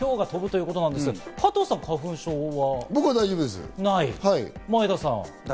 加藤さん、花粉症は？